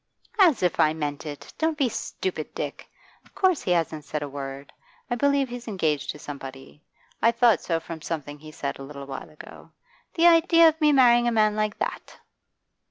'As if I meant it! Don't be stupid, Dick. Of course he hasn't said a word; I believe he's engaged to somebody; I thought so from something he said a little while ago. The idea of me marrying a man like that!